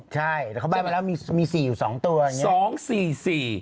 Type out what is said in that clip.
ใช่แต่เขาแบบว่าแล้วมี๔อยู่๒ตัวอย่างนี้